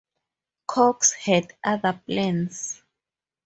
Cox had other plans.